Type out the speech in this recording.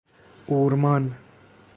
اورمان